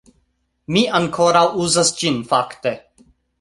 Mi ankoraŭ uzas ĝin fakte